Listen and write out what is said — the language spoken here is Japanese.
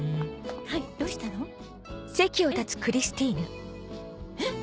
はいどうしたの？えええ？